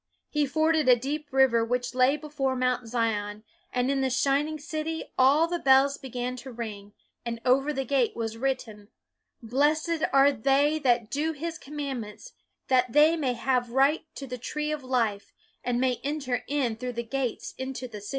He forded a deep river which lay before Mount Zion, and in the shining city all the bells began to ring, and over the gate was written, " Blessed are they that do his commandments that they may have right to the tree of life, and may enter in through the gates into the city."